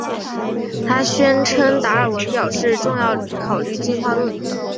她宣称达尔文表示要重新考虑进化论。